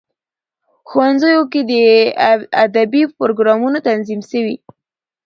ښوونځیو کې دي ادبي پروګرامونه تنظیم سي.